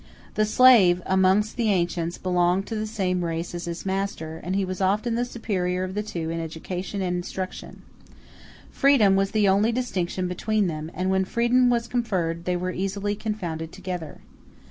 The slave, amongst the ancients, belonged to the same race as his master, and he was often the superior of the two in education *d and instruction. Freedom was the only distinction between them; and when freedom was conferred they were easily confounded together.